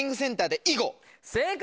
正解！